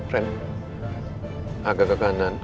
ren agak ke kanan